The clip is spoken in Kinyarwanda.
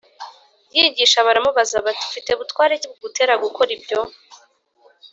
yigisha baramubaza bati “Ufite butware ki bugutera gukora ibyo?